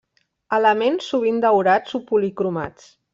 Elements sovint daurats o policromats.